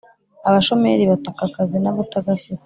abashomeri bataka akazi nabagafite